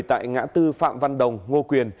tại ngã tư phạm văn đồng ngô quyền